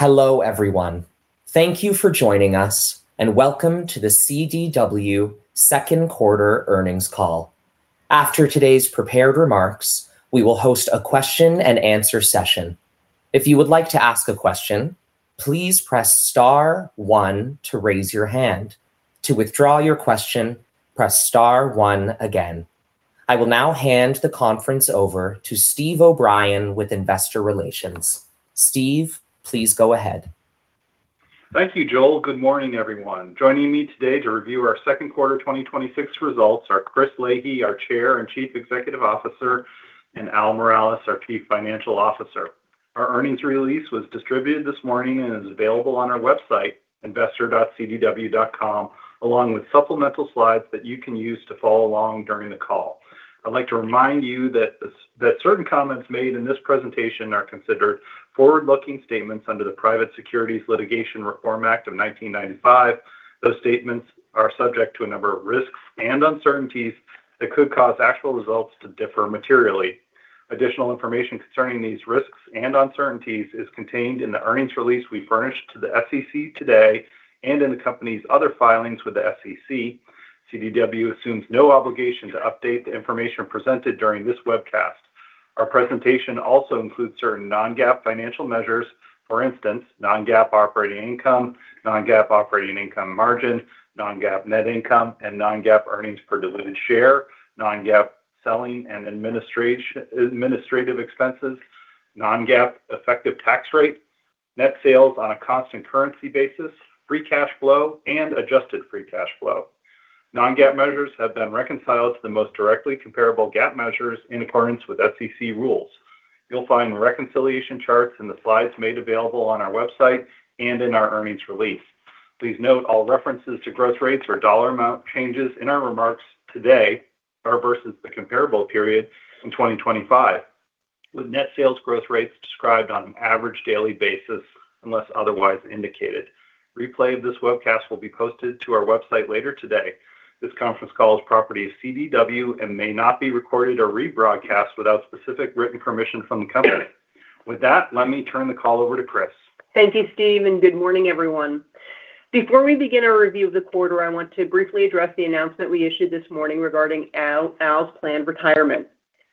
Hello, everyone. Thank you for joining us, and welcome to the CDW second quarter earnings call. After today's prepared remarks, we will host a question and answer session. If you would like to ask a question, please press star one to raise your hand. To withdraw your question, press star one again. I will now hand the conference over to Steve O'Brien with Investor Relations. Steve, please go ahead. Thank you, Joel. Good morning, everyone. Joining me today to review our second quarter 2026 results are Chris Leahy, our Chair and Chief Executive Officer, and Al Miralles, our Chief Financial Officer. Our earnings release was distributed this morning and is available on our website, investor.cdw.com, along with supplemental slides that you can use to follow along during the call. I'd like to remind you that certain comments made in this presentation are considered forward-looking statements under the Private Securities Litigation Reform Act of 1995. Those statements are subject to a number of risks and uncertainties that could cause actual results to differ materially. Additional information concerning these risks and uncertainties is contained in the earnings release we furnished to the SEC today, and in the company's other filings with the SEC. CDW assumes no obligation to update the information presented during this webcast. Our presentation also includes certain non-GAAP financial measures. For instance, non-GAAP operating income, non-GAAP operating income margin, non-GAAP net income, and non-GAAP earnings per diluted share, non-GAAP selling and administrative expenses, non-GAAP effective tax rate, net sales on a constant currency basis, free cash flow, and adjusted free cash flow. Non-GAAP measures have been reconciled to the most directly comparable GAAP measures in accordance with SEC rules. You'll find reconciliation charts in the slides made available on our website and in our earnings release. Please note all references to growth rates or dollar amount changes in our remarks today are versus the comparable period in 2025, with net sales growth rates described on an average daily basis unless otherwise indicated. Replay of this webcast will be posted to our website later today. This conference call is property of CDW and may not be recorded or rebroadcast without specific written permission from the company. With that, let me turn the call over to Chris. Thank you, Steve, and good morning, everyone. Before we begin our review of the quarter, I want to briefly address the announcement we issued this morning regarding Al's planned retirement.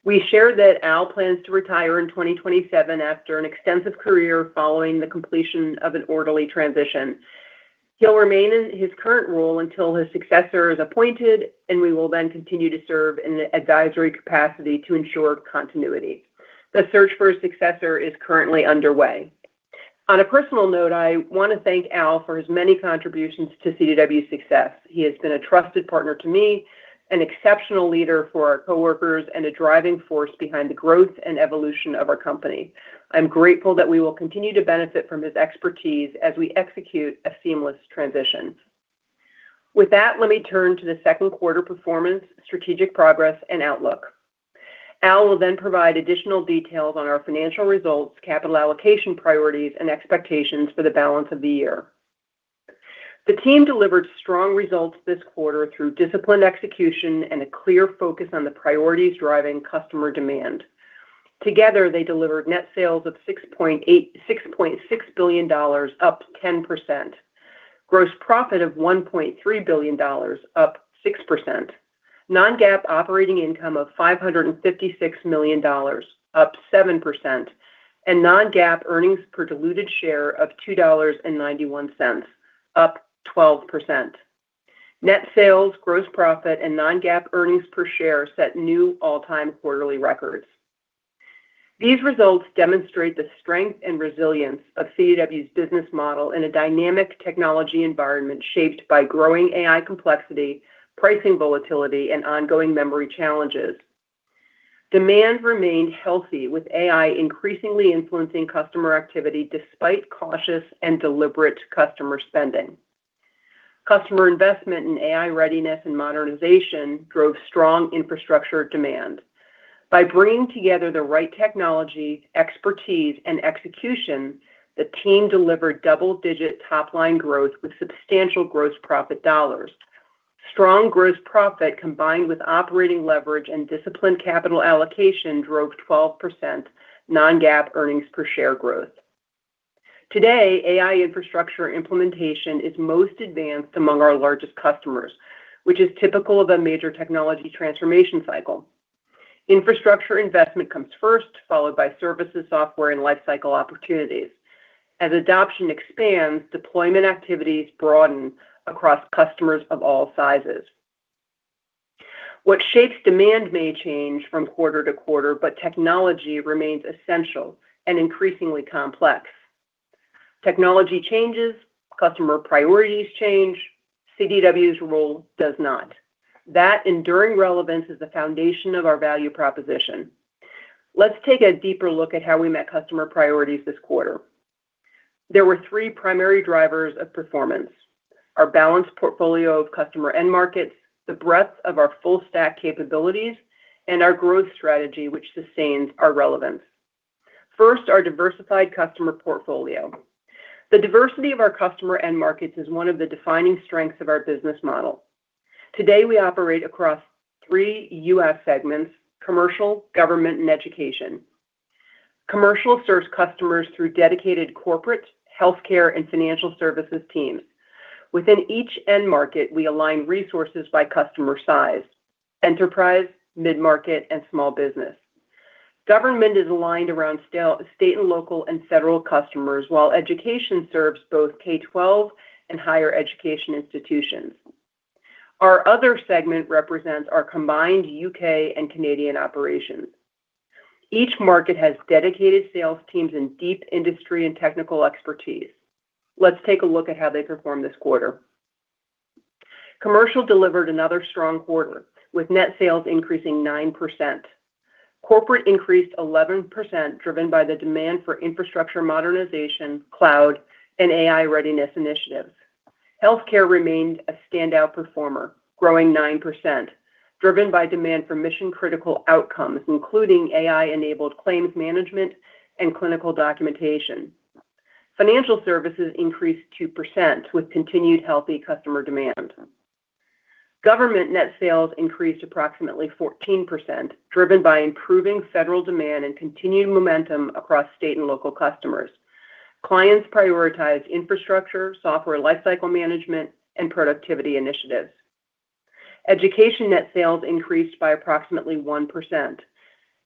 We share that Al plans to retire in 2027 after an extensive career following the completion of an orderly transition. He'll remain in his current role until his successor is appointed, and we will then continue to serve in an advisory capacity to ensure continuity. The search for a successor is currently underway. On a personal note, I want to thank Al for his many contributions to CDW's success. He has been a trusted partner to me, an exceptional leader for our coworkers, and a driving force behind the growth and evolution of our company. I'm grateful that we will continue to benefit from his expertise as we execute a seamless transition. With that, let me turn to the second quarter performance, strategic progress, and outlook. Al will then provide additional details on our financial results, capital allocation priorities, and expectations for the balance of the year. The team delivered strong results this quarter through disciplined execution and a clear focus on the priorities driving customer demand. Together, they delivered net sales of $6.6 billion, up 10%, gross profit of $1.3 billion, up 6%, non-GAAP operating income of $556 million, up 7%, and non-GAAP earnings per diluted share of $2.91, up 12%. Net sales, gross profit, and non-GAAP earnings per share set new all-time quarterly records. These results demonstrate the strength and resilience of CDW's business model in a dynamic technology environment shaped by growing AI complexity, pricing volatility, and ongoing memory challenges. Demand remained healthy with AI increasingly influencing customer activity despite cautious and deliberate customer spending. Customer investment in AI readiness and modernization drove strong infrastructure demand. By bringing together the right technology, expertise, and execution, the team delivered double-digit top-line growth with substantial gross profit dollars. Strong gross profit, combined with operating leverage and disciplined capital allocation, drove 12% non-GAAP earnings per share growth. Today, AI infrastructure implementation is most advanced among our largest customers, which is typical of a major technology transformation cycle. Infrastructure investment comes first, followed by services, software, and lifecycle opportunities. As adoption expands, deployment activities broaden across customers of all sizes. What shapes demand may change from quarter to quarter, but technology remains essential and increasingly complex. Technology changes, customer priorities change, CDW's role does not. That enduring relevance is the foundation of our value proposition. Let's take a deeper look at how we met customer priorities this quarter. There were three primary drivers of performance. Our balanced portfolio of customer end markets, the breadth of our full stack capabilities, and our growth strategy, which sustains our relevance. First, our diversified customer portfolio. The diversity of our customer end markets is one of the defining strengths of our business model. Today, we operate across three U.S. segments: commercial, government, and education. Commercial serves customers through dedicated corporate, healthcare, and financial services teams. Within each end market, we align resources by customer size, enterprise, mid-market, and small business. Government is aligned around state and local and federal customers, while education serves both K-12 and higher education institutions. Our other segment represents our combined U.K. and Canadian operations. Each market has dedicated sales teams and deep industry and technical expertise. Let's take a look at how they performed this quarter. Commercial delivered another strong quarter, with net sales increasing 9%. Corporate increased 11%, driven by the demand for infrastructure modernization, cloud, and AI readiness initiatives. Healthcare remained a standout performer, growing 9%, driven by demand for mission-critical outcomes, including AI-enabled claims management and clinical documentation. Financial services increased 2% with continued healthy customer demand. Government net sales increased approximately 14%, driven by improving federal demand and continued momentum across state and local customers. Clients prioritized infrastructure, software lifecycle management, and productivity initiatives. Education net sales increased by approximately 1%.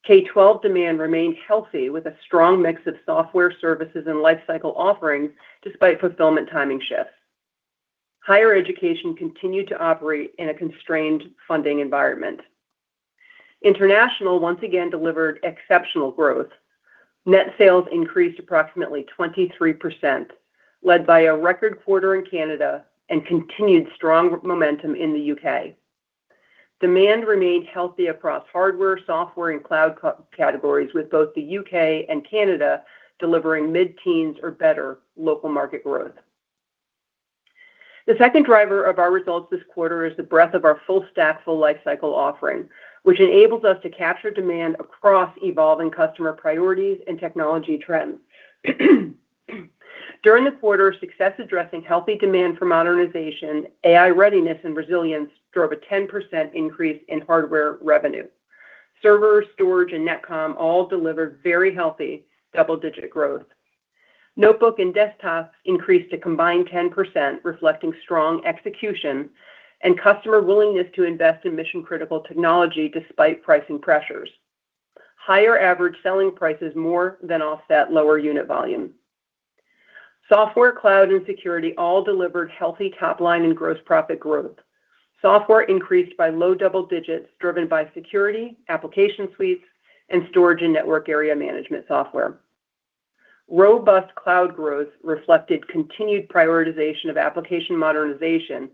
K-12 demand remained healthy with a strong mix of software services and lifecycle offerings, despite fulfillment timing shifts. Higher education continued to operate in a constrained funding environment. International, once again, delivered exceptional growth. Net sales increased approximately 23%, led by a record quarter in Canada and continued strong momentum in the U.K. Demand remained healthy across hardware, software, and cloud categories, with both the U.K. and Canada delivering mid-teens or better local market growth. The second driver of our results this quarter is the breadth of our full-stack, full-lifecycle offering, which enables us to capture demand across evolving customer priorities and technology trends. During the quarter, success addressing healthy demand for modernization, AI readiness, and resilience drove a 10% increase in hardware revenue. Server, storage, and NetCom all delivered very healthy double-digit growth. Notebook and desktop increased a combined 10%, reflecting strong execution and customer willingness to invest in mission-critical technology despite pricing pressures. Higher average selling prices more than offset lower unit volume. Software, cloud, and security all delivered healthy top-line and gross profit growth. Software increased by low double digits, driven by security, application suites, and storage and network area management software. Robust cloud growth reflected continued prioritization of application modernization,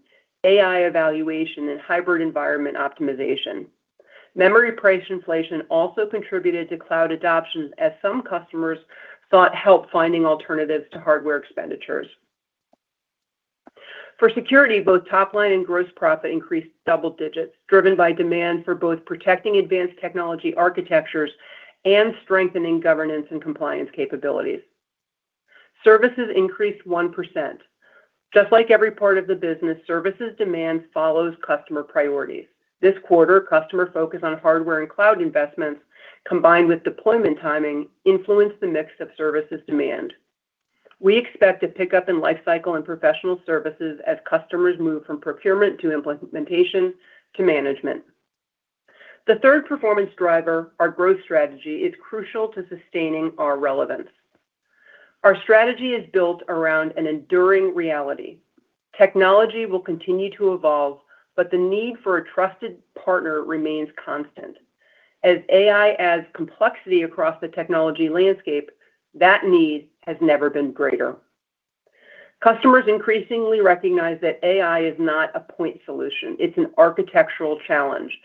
AI evaluation, and hybrid environment optimization. Memory price inflation also contributed to cloud adoption as some customers sought help finding alternatives to hardware expenditures. For security, both top-line and gross profit increased double digits, driven by demand for both protecting advanced technology architectures and strengthening governance and compliance capabilities. Services increased 1%. Just like every part of the business, services demand follows customer priorities. This quarter, customer focus on hardware and cloud investments, combined with deployment timing, influenced the mix of services demand. We expect a pickup in lifecycle and professional services as customers move from procurement to implementation to management. The third performance driver, our growth strategy, is crucial to sustaining our relevance. Our strategy is built around an enduring reality. Technology will continue to evolve, but the need for a trusted partner remains constant. As AI adds complexity across the technology landscape, that need has never been greater. Customers increasingly recognize that AI is not a point solution. It's an architectural challenge.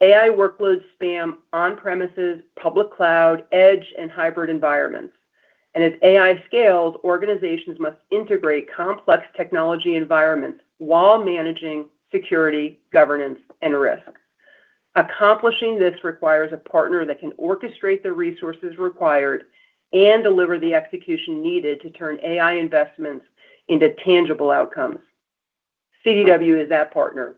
AI workloads span on-premises, public cloud, edge, and hybrid environments. As AI scales, organizations must integrate complex technology environments while managing security, governance, and risk. Accomplishing this requires a partner that can orchestrate the resources required and deliver the execution needed to turn AI investments into tangible outcomes. CDW is that partner.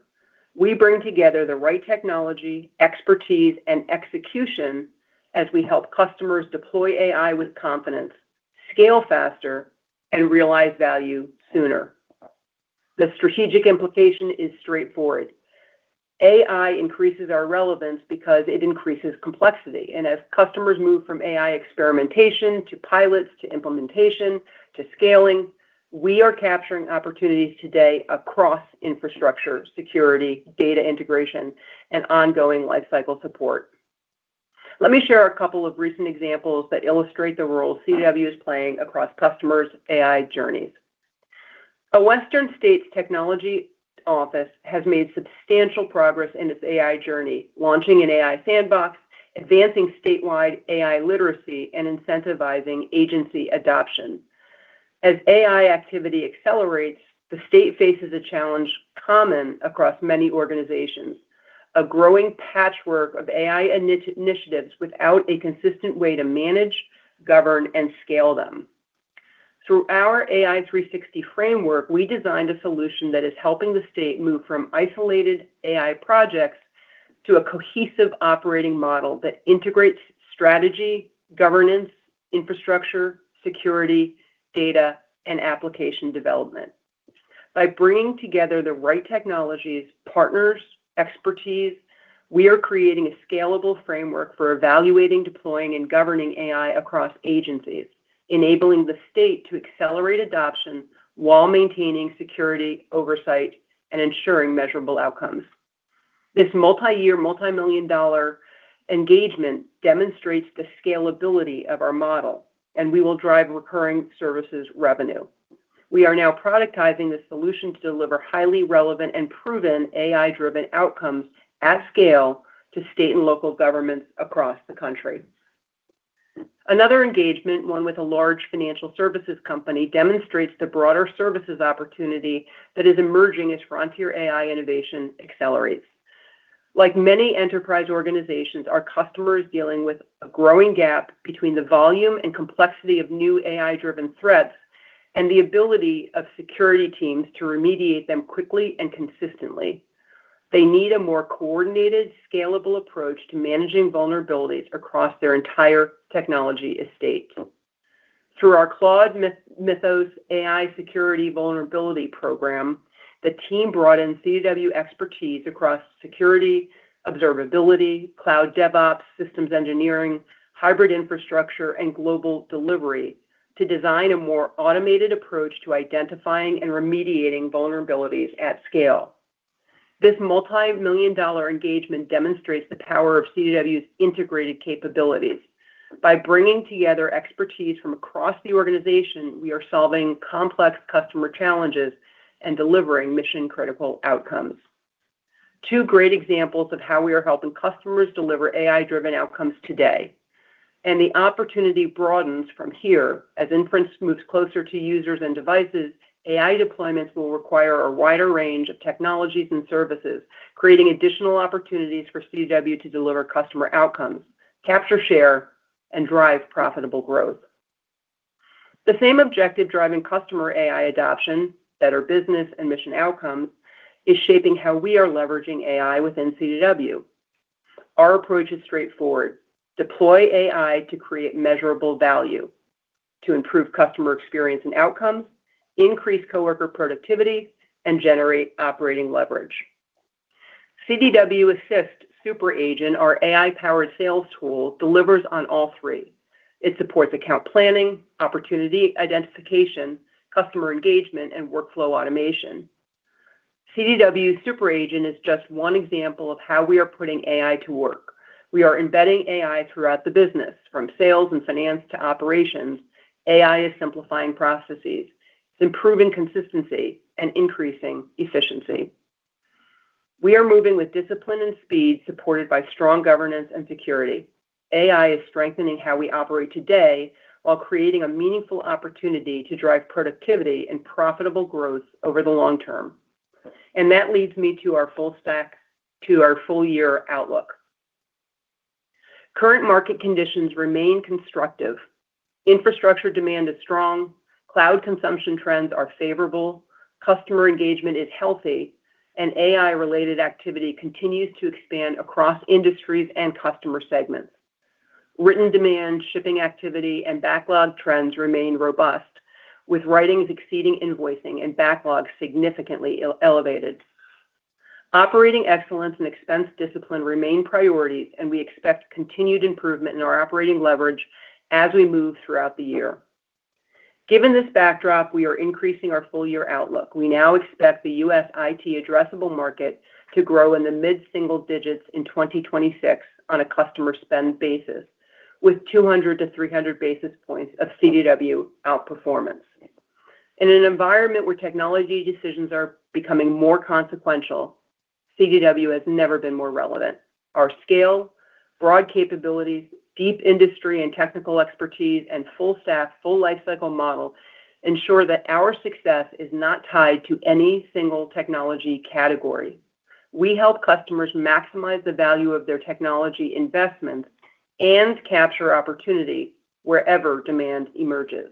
We bring together the right technology, expertise, and execution as we help customers deploy AI with confidence, scale faster, and realize value sooner. The strategic implication is straightforward. AI increases our relevance because it increases complexity. As customers move from AI experimentation to pilots to implementation to scaling, we are capturing opportunities today across infrastructure, security, data integration, and ongoing lifecycle support. Let me share a couple of recent examples that illustrate the role CDW is playing across customers' AI journeys. A western state's technology office has made substantial progress in its AI journey, launching an AI sandbox, advancing statewide AI literacy, and incentivizing agency adoption. As AI activity accelerates, the state faces a challenge common across many organizations, a growing patchwork of AI initiatives without a consistent way to manage, govern, and scale them. Through our AI360 framework, we designed a solution that is helping the state move from isolated AI projects to a cohesive operating model that integrates strategy, governance, infrastructure, security, data, and application development. By bringing together the right technologies, partners, expertise, we are creating a scalable framework for evaluating, deploying, and governing AI across agencies, enabling the state to accelerate adoption while maintaining security oversight and ensuring measurable outcomes. This multi-year, multimillion-dollar engagement demonstrates the scalability of our model. We will drive recurring services revenue. We are now productizing the solution to deliver highly relevant and proven AI-driven outcomes at scale to state and local governments across the country. Another engagement, one with a large financial services company, demonstrates the broader services opportunity that is emerging as frontier AI innovation accelerates. Like many enterprise organizations, our customer is dealing with a growing gap between the volume and complexity of new AI-driven threats and the ability of security teams to remediate them quickly and consistently. They need a more coordinated, scalable approach to managing vulnerabilities across their entire technology estate. Through our Claude Mythos AI security vulnerability program, the team brought in CDW expertise across security, observability, cloud DevOps, systems engineering, hybrid infrastructure, and global delivery to design a more automated approach to identifying and remediating vulnerabilities at scale. This multimillion-dollar engagement demonstrates the power of CDW's integrated capabilities. By bringing together expertise from across the organization, we are solving complex customer challenges and delivering mission-critical outcomes. Two great examples of how we are helping customers deliver AI-driven outcomes today. The opportunity broadens from here. As inference moves closer to users and devices, AI deployments will require a wider range of technologies and services, creating additional opportunities for CDW to deliver customer outcomes, capture share, and drive profitable growth. The same objective driving customer AI adoption, better business and mission outcomes, is shaping how we are leveraging AI within CDW. Our approach is straightforward. Deploy AI to create measurable value, to improve customer experience and outcomes, increase coworker productivity, and generate operating leverage. CDW Assist Super Agent, our AI-powered sales tool, delivers on all three. It supports account planning, opportunity identification, customer engagement, and workflow automation. CDW Super Agent is just one example of how we are putting AI to work. We are embedding AI throughout the business, from sales and finance to operations. AI is simplifying processes. It's improving consistency and increasing efficiency. We are moving with discipline and speed, supported by strong governance and security. AI is strengthening how we operate today while creating a meaningful opportunity to drive productivity and profitable growth over the long term. That leads me to our full year outlook. Current market conditions remain constructive. Infrastructure demand is strong, cloud consumption trends are favorable, customer engagement is healthy, and AI-related activity continues to expand across industries and customer segments. Written demand, shipping activity, and backlog trends remain robust, with writings exceeding invoicing and backlogs significantly elevated. Operating excellence and expense discipline remain priorities, and we expect continued improvement in our operating leverage as we move throughout the year. Given this backdrop, we are increasing our full-year outlook. We now expect the U.S. IT addressable market to grow in the mid-single digits in 2026 on a customer spend basis, with 200 to 300 basis points of CDW outperformance. In an environment where technology decisions are becoming more consequential, CDW has never been more relevant. Our scale, broad capabilities, deep industry and technical expertise, and full staff, full lifecycle model ensure that our success is not tied to any single technology category. We help customers maximize the value of their technology investments and capture opportunity wherever demand emerges.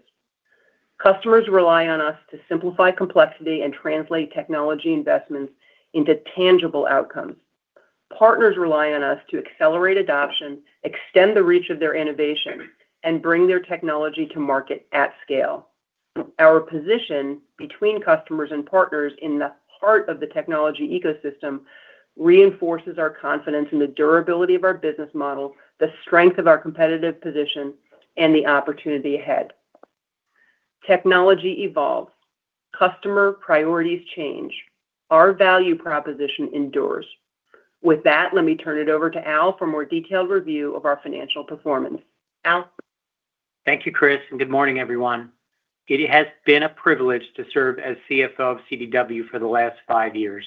Customers rely on us to simplify complexity and translate technology investments into tangible outcomes. Partners rely on us to accelerate adoption, extend the reach of their innovation, and bring their technology to market at scale. Our position between customers and partners in the heart of the technology ecosystem reinforces our confidence in the durability of our business model, the strength of our competitive position, and the opportunity ahead. Technology evolves. Customer priorities change. Our value proposition endures. With that, let me turn it over to Al for a more detailed review of our financial performance. Al? Thank you, Chris. Good morning, everyone. It has been a privilege to serve as Chief Financial Officer of CDW for the last five years.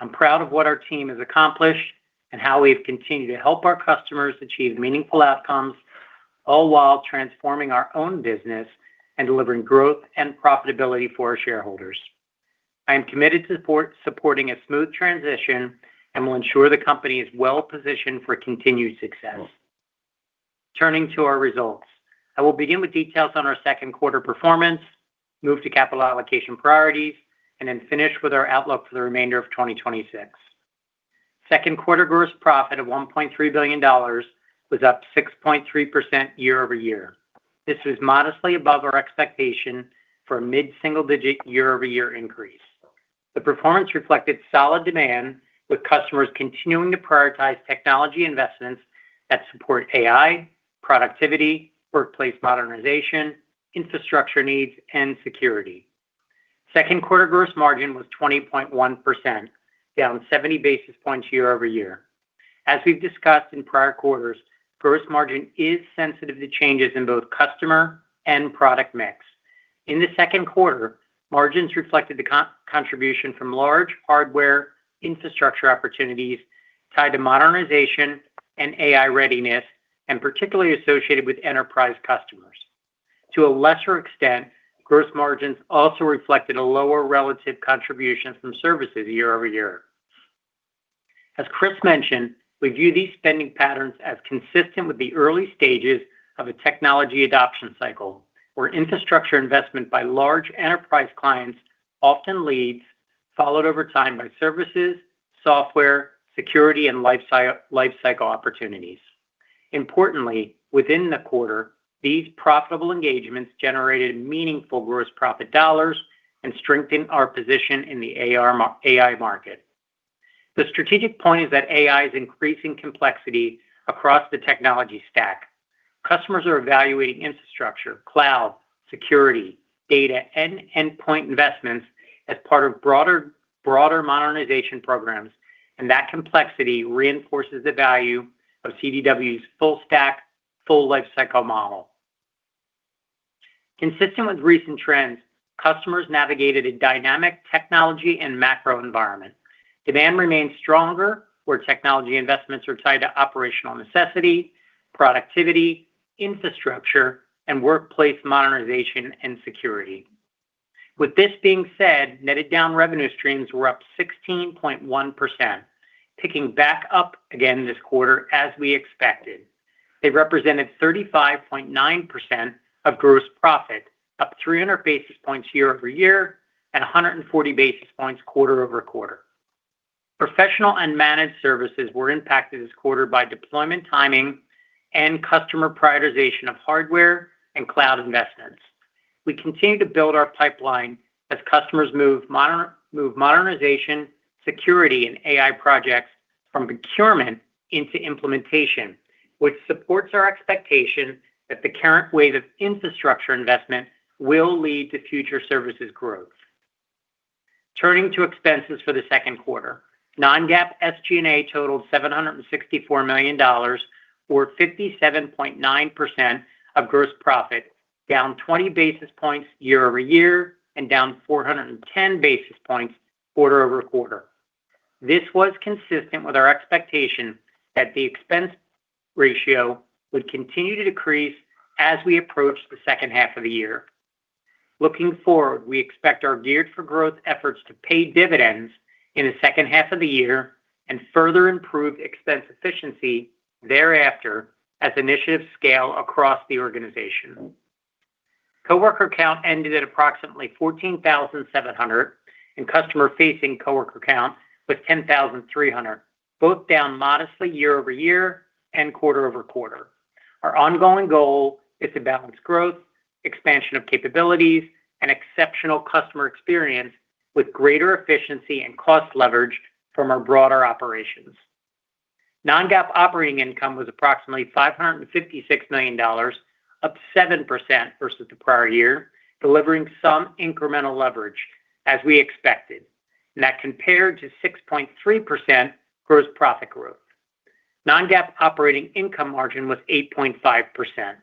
I'm proud of what our team has accomplished and how we've continued to help our customers achieve meaningful outcomes, all while transforming our own business and delivering growth and profitability for our shareholders. I am committed to supporting a smooth transition and will ensure the company is well-positioned for continued success. Turning to our results. I will begin with details on our second quarter performance, move to capital allocation priorities, and then finish with our outlook for the remainder of 2026. Second quarter gross profit of $1.3 billion was up 6.3% year-over-year. This was modestly above our expectation for a mid-single-digit year-over-year increase. The performance reflected solid demand, with customers continuing to prioritize technology investments that support AI, productivity, workplace modernization, infrastructure needs, and security. Second quarter gross margin was 20.1%, down 70 basis points year-over-year. As Chris mentioned, we view these spending patterns as consistent with the early stages of a technology adoption cycle, where infrastructure investment by large enterprise clients often leads, followed over time by services, software, security, and lifecycle opportunities. Importantly, within the quarter, these profitable engagements generated meaningful gross profit dollars and strengthened our position in the AI market. The strategic point is that AI is increasing complexity across the technology stack. Customers are evaluating infrastructure, cloud, security, data, and endpoint investments as part of broader modernization programs, and that complexity reinforces the value of CDW's full stack, full lifecycle model. Consistent with recent trends, customers navigated a dynamic technology and macro environment. Demand remains stronger where technology investments are tied to operational necessity, productivity, infrastructure, and workplace modernization and security. With this being said, netted down revenue streams were up 16.1%, picking back up again this quarter as we expected. They represented 35.9% of gross profit, up 300 basis points year-over-year and 140 basis points quarter-over-quarter. Professional and managed services were impacted this quarter by deployment timing and customer prioritization of hardware and cloud investments. We continue to build our pipeline as customers move modernization, security, and AI projects from procurement into implementation, which supports our expectation that the current wave of infrastructure investment will lead to future services growth. Turning to expenses for the second quarter. Non-GAAP SG&A totaled $764 million, or 57.9% of gross profit, down 20 basis points year-over-year and down 410 basis points quarter-over-quarter. This was consistent with our expectation that the expense ratio would continue to decrease as we approach the second half of the year. Looking forward, we expect our Geared for Growth efforts to pay dividends in the second half of the year and further improve expense efficiency thereafter as initiatives scale across the organization. Coworker count ended at approximately 14,700, and customer-facing coworker count was 10,300, both down modestly year-over-year and quarter-over-quarter. Our ongoing goal is to balance growth, expansion of capabilities, and exceptional customer experience with greater efficiency and cost leverage from our broader operations. Non-GAAP operating income was approximately $556 million, up 7% versus the prior year, delivering some incremental leverage as we expected. That compared to 6.3% gross profit growth. Non-GAAP operating income margin was 8.5%.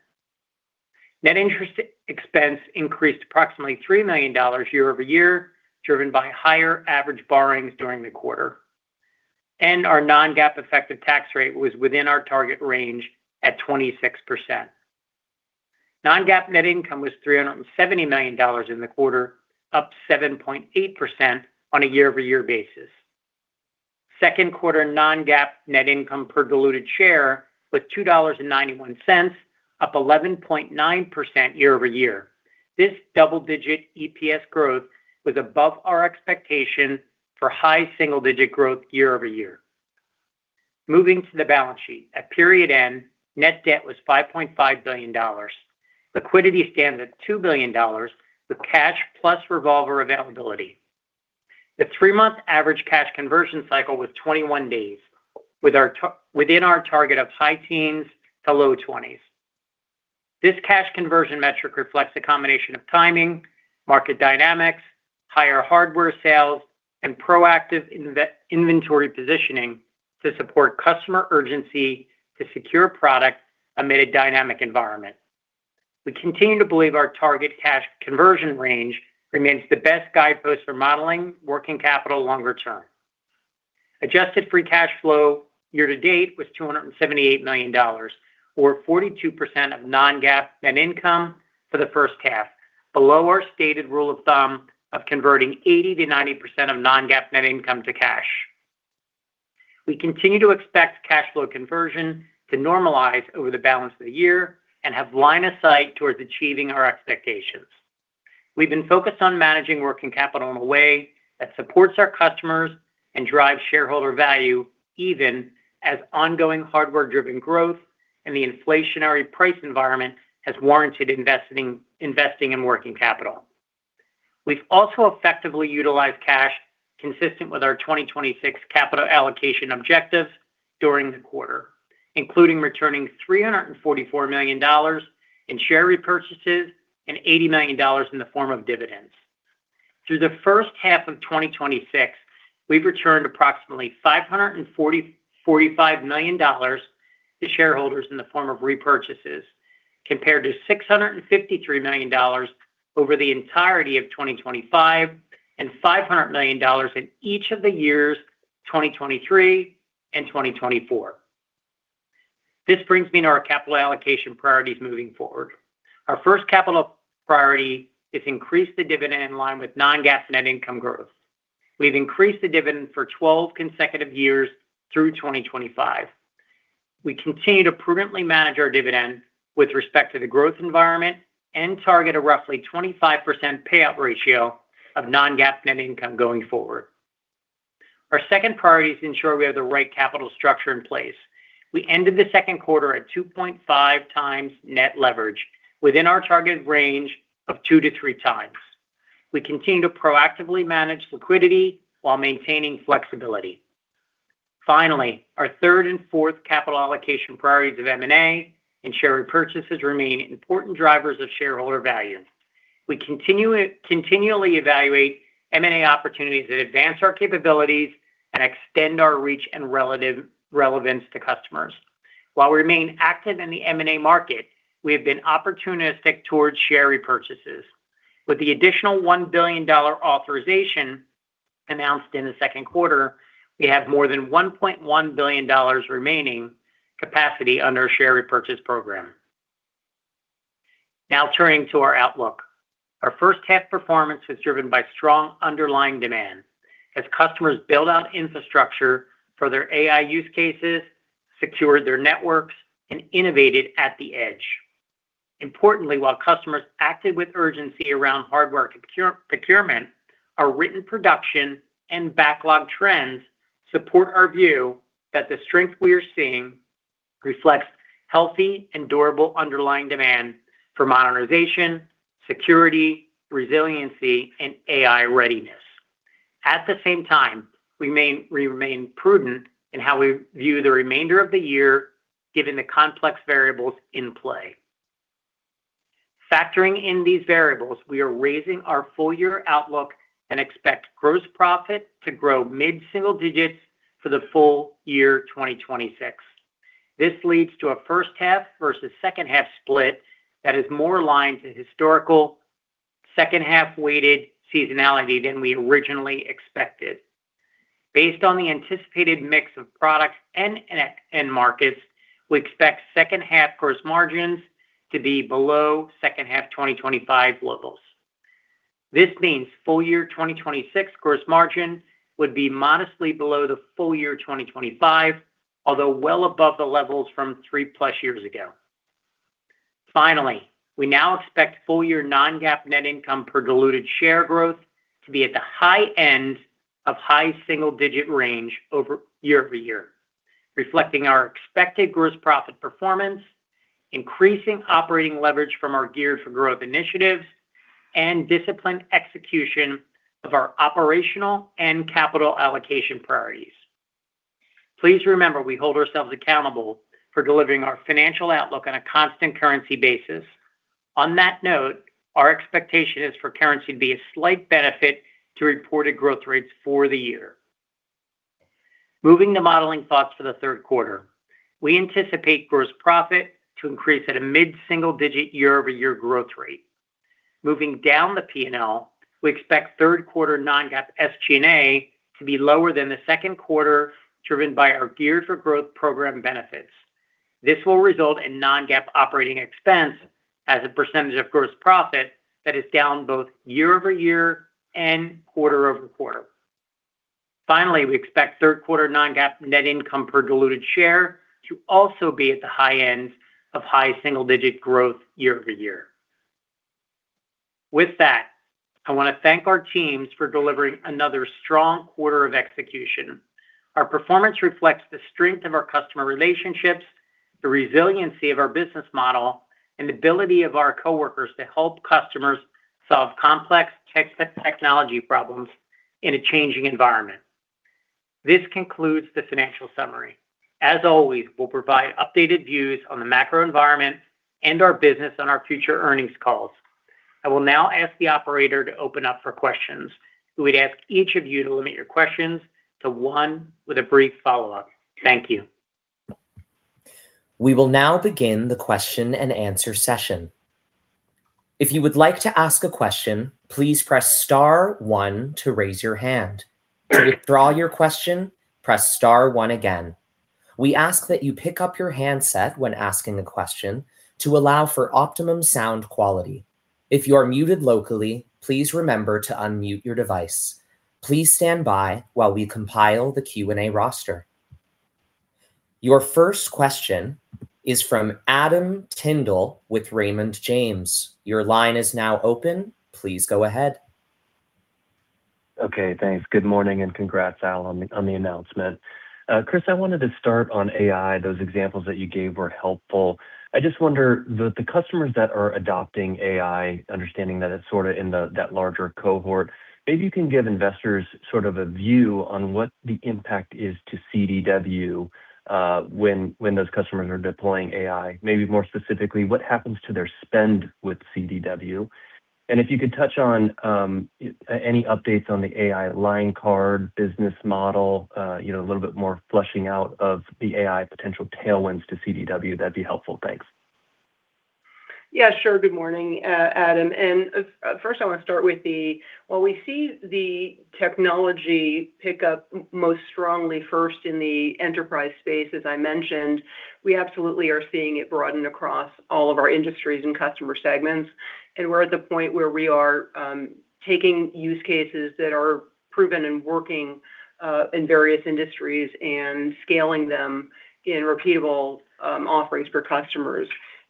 Net interest expense increased approximately $3 million year-over-year, driven by higher average borrowings during the quarter. Our non-GAAP effective tax rate was within our target range at 26%. Non-GAAP net income was $370 million in the quarter, up 7.8% on a year-over-year basis. Second quarter non-GAAP net income per diluted share was $2.91, up 11.9% year-over-year. This double-digit EPS growth was above our expectation for high single-digit growth year-over-year. Moving to the balance sheet. At period end, net debt was $5.5 billion. Liquidity stands at $2 billion with cash plus revolver availability. The three-month average cash conversion cycle was 21 days, within our target of high teens to low 20s. This cash conversion metric reflects a combination of timing, market dynamics, higher hardware sales, and proactive inventory positioning to support customer urgency to secure product amid a dynamic environment. We continue to believe our target cash conversion range remains the best guidepost for modeling working capital longer term. Adjusted free cash flow year to date was $278 million, or 42% of non-GAAP net income for the first half, below our stated rule of thumb of converting 80%-90% of non-GAAP net income to cash. We continue to expect cash flow conversion to normalize over the balance of the year and have line of sight towards achieving our expectations. We've been focused on managing working capital in a way that supports our customers and drives shareholder value, even as ongoing hardware-driven growth and the inflationary price environment has warranted investing in working capital. We've also effectively utilized cash consistent with our 2026 capital allocation objective during the quarter, including returning $344 million in share repurchases and $80 million in the form of dividends. Through the first half of 2026, we've returned approximately $545 million to shareholders in the form of repurchases, compared to $653 million over the entirety of 2025 and $500 million in each of the years 2023 and 2024. This brings me to our capital allocation priorities moving forward. Our first capital priority is increase the dividend in line with non-GAAP net income growth. We've increased the dividend for 12 consecutive years through 2025. We continue to prudently manage our dividend with respect to the growth environment and target a roughly 25% payout ratio of non-GAAP net income going forward. Our second priority is ensure we have the right capital structure in place. We ended the second quarter at 2.5x net leverage, within our target range of 2x to 3x. We continue to proactively manage liquidity while maintaining flexibility. Finally, our third and fourth capital allocation priorities of M&A and share repurchases remain important drivers of shareholder value. We continually evaluate M&A opportunities that advance our capabilities and extend our reach and relevance to customers. While we remain active in the M&A market, we have been opportunistic towards share repurchases. With the additional $1 billion authorization announced in the second quarter, we have more than $1.1 billion remaining capacity under our share repurchase program. Turning to our outlook. Our first half performance was driven by strong underlying demand as customers build out infrastructure for their AI use cases, secured their networks and innovated at the edge. Importantly, while customers acted with urgency around hardware procurement, our written production and backlog trends support our view that the strength we are seeing reflects healthy and durable underlying demand for modernization, security, resiliency, and AI readiness. At the same time, we remain prudent in how we view the remainder of the year given the complex variables in play. Factoring in these variables, we are raising our full year outlook and expect gross profit to grow mid-single digits for the full year 2026. This leads to a first half versus second half split that is more aligned to historical, second half-weighted seasonality than we originally expected. Based on the anticipated mix of products and end markets, we expect second half gross margins to be below second half 2025 levels. This means full year 2026 gross margin would be modestly below the full year 2025, although well above the levels from three-plus years ago. We now expect full year non-GAAP net income per diluted share growth to be at the high end of high single digit range year-over-year, reflecting our expected gross profit performance, increasing operating leverage from our Geared for Growth initiatives, and disciplined execution of our operational and capital allocation priorities. Please remember, we hold ourselves accountable for delivering our financial outlook on a constant currency basis. On that note, our expectation is for currency to be a slight benefit to reported growth rates for the year. Moving to modeling thoughts for the third quarter, we anticipate gross profit to increase at a mid-single-digit year-over-year growth rate. Moving down the P&L, we expect third quarter non-GAAP SG&A to be lower than the second quarter, driven by our Geared for Growth program benefits. This will result in non-GAAP operating expense as a percentage of gross profit that is down both year-over-year and quarter-over-quarter. Finally, we expect third quarter non-GAAP net income per diluted share to also be at the high end of high-single-digit growth year-over-year. With that, I want to thank our teams for delivering another strong quarter of execution. Our performance reflects the strength of our customer relationships, the resiliency of our business model, and ability of our coworkers to help customers solve complex technology problems in a changing environment. This concludes the financial summary. As always, we will provide updated views on the macro environment and our business on our future earnings calls. I will now ask the operator to open up for questions. We would ask each of you to limit your questions to one with a brief follow-up. Thank you. We will now begin the question and answer session. If you would like to ask a question, please press star one to raise your hand. To withdraw your question, press star one again. We ask that you pick up your handset when asking a question to allow for optimum sound quality. If you are muted locally, please remember to unmute your device. Please stand by while we compile the Q&A roster. Your first question is from Adam Tindle with Raymond James. Your line is now open. Please go ahead. Okay, thanks. Good morning and congrats, Al, on the announcement. Chris, I wanted to start on AI. Those examples that you gave were helpful. I just wonder, the customers that are adopting AI, understanding that it is sort of in that larger cohort, maybe you can give investors sort of a view on what the impact is to CDW when those customers are deploying AI. Maybe more specifically, what happens to their spend with CDW? And if you could touch on any updates on the AI line card business model, a little bit more fleshing out of the AI potential tailwinds to CDW, that would be helpful. Thanks. Yeah, sure. Good morning, Adam. First I want to start with while we see the technology pick up most strongly first in the enterprise space, as I mentioned, we absolutely are seeing it broaden across all of our industries and customer segments. We're at the point where we are taking use cases that are proven and working in various industries and scaling them in repeatable offerings for customers.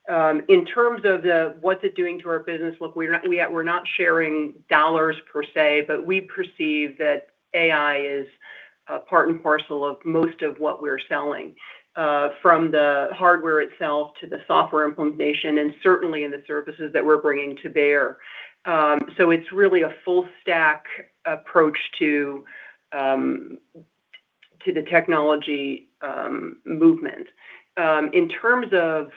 In terms of the what's it doing to our business, look, we're not sharing dollars per se, but we perceive that AI is part and parcel of most of what we're selling. From the hardware itself to the software implementation, and certainly in the services that we're bringing to bear. It's really a full stack approach to the technology movement. In terms of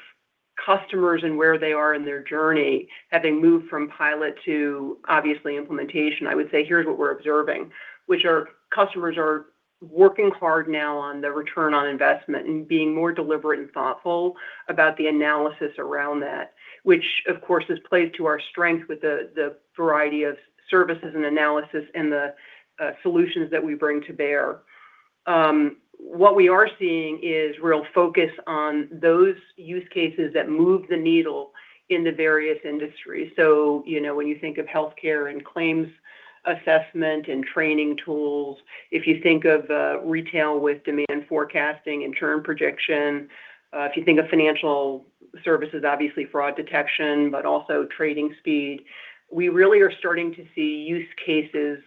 customers and where they are in their journey, having moved from pilot to obviously implementation, I would say here's what we're observing, which are customers are working hard now on the return on investment and being more deliberate and thoughtful about the analysis around that. Which, of course, plays to our strength with the variety of services and analysis and the solutions that we bring to bear. What we are seeing is real focus on those use cases that move the needle in the various industries. When you think of healthcare and claims assessment and training tools, if you think of retail with demand forecasting and term projection, if you think of financial services, obviously fraud detection, but also trading speed. We really are starting to see use cases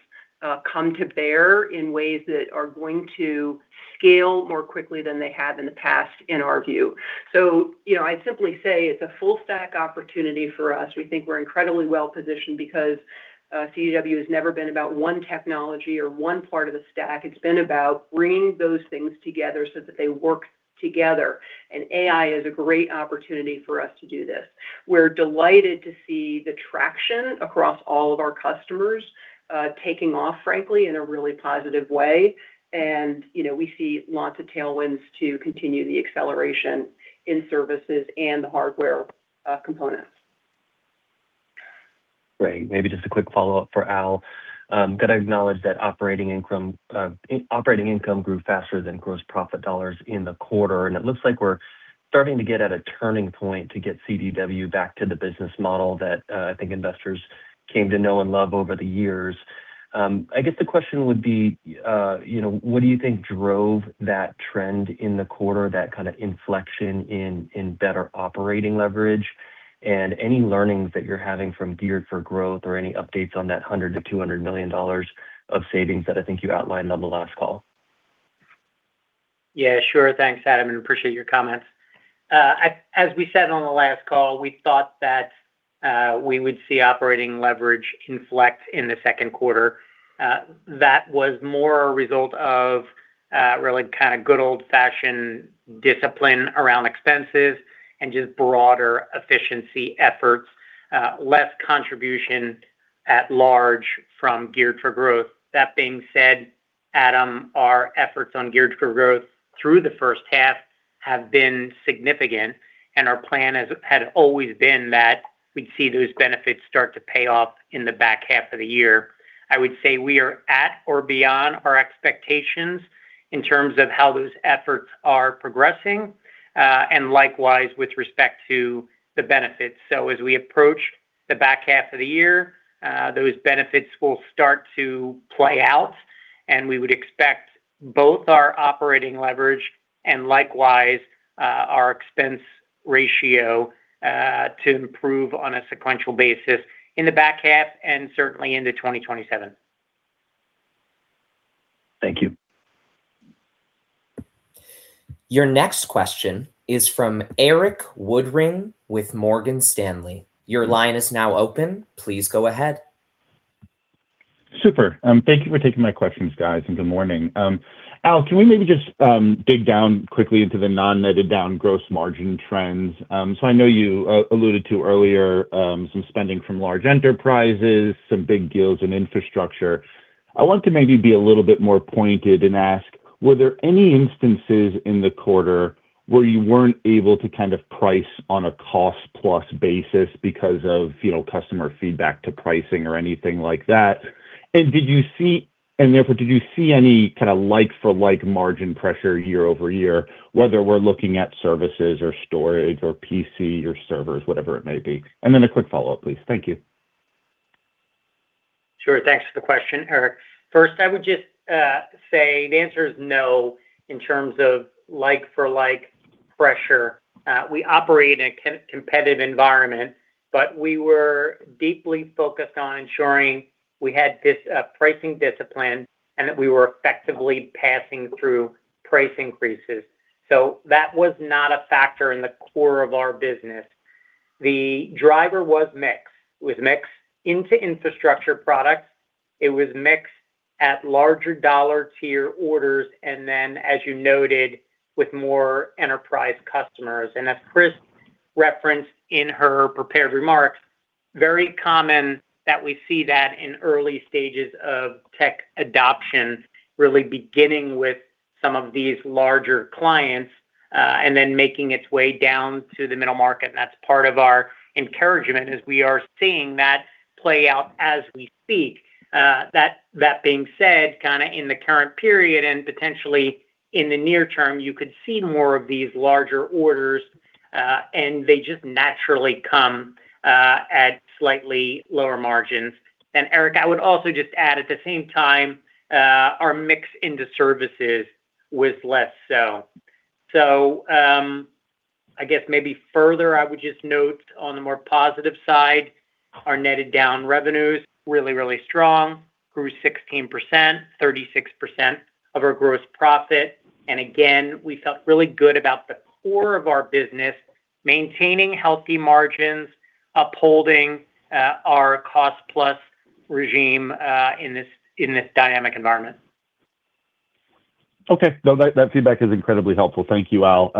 come to bear in ways that are going to scale more quickly than they have in the past, in our view. I'd simply say it's a full stack opportunity for us. We think we're incredibly well-positioned because CDW has never been about one technology or one part of the stack. It's been about bringing those things together so that they work together, and AI is a great opportunity for us to do this. We're delighted to see the traction across all of our customers, taking off, frankly, in a really positive way. We see lots of tailwinds to continue the acceleration in services and the hardware components. Great. Maybe just a quick follow-up for Al. Got to acknowledge that operating income grew faster than gross profit dollars in the quarter, it looks like we're starting to get at a turning point to get CDW back to the business model that I think investors came to know and love over the years. I guess the question would be, what do you think drove that trend in the quarter, that kind of inflection in better operating leverage? Any learnings that you're having from Geared for Growth or any updates on that $100 million-$200 million of savings that I think you outlined on the last call? Yeah, sure. Thanks, Adam, and appreciate your comments. As we said on the last call, we thought that we would see operating leverage inflect in the second quarter. That was more a result of really good old-fashioned discipline around expenses and just broader efficiency efforts, less contribution at large from Geared for Growth. That being said, Adam, our efforts on Geared for Growth through the first half have been significant, and our plan had always been that we'd see those benefits start to pay off in the back half of the year. I would say we are at or beyond our expectations in terms of how those efforts are progressing. Likewise, with respect to the benefits. As we approach the back half of the year, those benefits will start to play out, we would expect both our operating leverage, and likewise, our expense ratio to improve on a sequential basis in the back half and certainly into 2027. Thank you. Your next question is from Erik Woodring with Morgan Stanley. Your line is now open. Please go ahead. Super. Thank you for taking my questions, guys, and good morning. Al, can we maybe just dig down quickly into the non-netted down gross margin trends? I know you alluded to earlier some spending from large enterprises, some big deals in infrastructure. I want to maybe be a little bit more pointed and ask, were there any instances in the quarter where you weren't able to price on a cost-plus basis because of customer feedback to pricing or anything like that? Therefore, did you see any kind of like-for-like margin pressure year-over-year, whether we're looking at services or storage or PCs or servers, whatever it may be? Then a quick follow-up, please. Thank you. Sure. Thanks for the question, Erik. First, I would just say the answer is no, in terms of like-for-like pressure. We operate in a competitive environment, but we were deeply focused on ensuring we had this pricing discipline and that we were effectively passing through price increases. That was not a factor in the core of our business. The driver was mix. It was mix into infrastructure products. It was mix at larger dollar-tier orders, and then, as you noted, with more enterprise customers. As Chris referenced in her prepared remarks, very common that we see that in early stages of tech adoption, really beginning with some of these larger clients, and then making its way down to the middle market. That's part of our encouragement, as we are seeing that play out as we speak. That being said, in the current period and potentially in the near term, you could see more of these larger orders, and they just naturally come at slightly lower margins. Erik, I would also just add, at the same time, our mix into services was less so. I guess maybe further, I would just note on the more positive side, our netted down revenues really, really strong, grew 16%, 36% of our gross profit. Again, we felt really good about the core of our business, maintaining healthy margins, upholding our cost-plus regime in this dynamic environment. Okay. No, that feedback is incredibly helpful. Thank you, Al.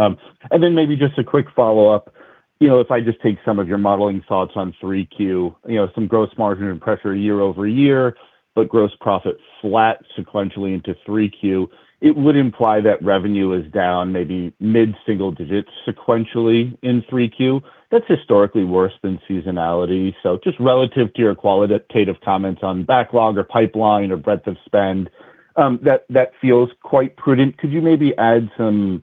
Then maybe just a quick follow-up. If I just take some of your modeling thoughts on 3Q, some gross margin and pressure year-over-year, but gross profit flat sequentially into 3Q, it would imply that revenue is down maybe mid-single digits sequentially in 3Q. That's historically worse than seasonality. Just relative to your qualitative comments on backlog or pipeline or breadth of spend, that feels quite prudent. Could you maybe add some